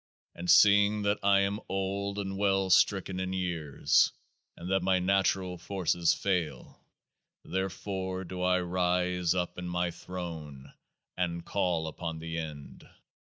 And seeing that I am old and well stricken in years, and that my natural forces fail, there fore do I rise up in my throne and call upon THE END.